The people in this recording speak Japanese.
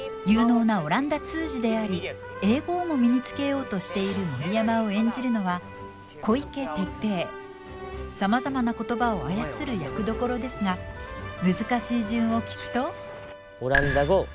有能なオランダ通詞であり英語をも身につけようとしている森山を演じるのはさまざまな言葉を操る役どころですが難しい順を聞くと？